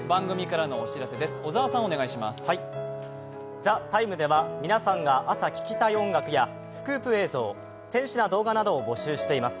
「ＴＨＥＴＩＭＥ，」では皆さんが朝聴きたい音楽やスクープ映像、天使名動画などを募集しています。